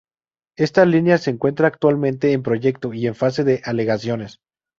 Esta línea se encuentra actualmente en proyecto y en fase de alegaciones.